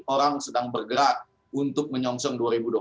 orang sedang bergerak untuk menyongsong dua ribu dua puluh